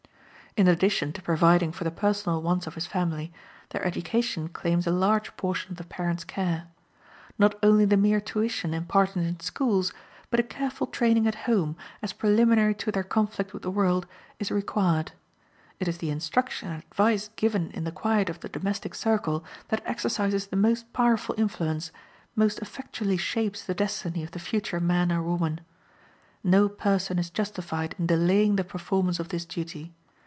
In addition to providing for the personal wants of his family, their education claims a large portion of the parents' care. Not only the mere tuition imparted in schools, but a careful training at home, as preliminary to their conflict with the world, is required. It is the instruction and advice given in the quiet of the domestic circle that exercises the most powerful influence, most effectually shapes the destiny of the future man or woman. No person is justified in delaying the performance of this duty.